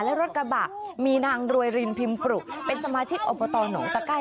และรถกระบะมีนางรวยรินพิมปรุเป็นสมาชิกอบตหนองตะไก้